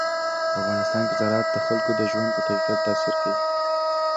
په افغانستان کې زراعت د خلکو د ژوند په کیفیت تاثیر کوي.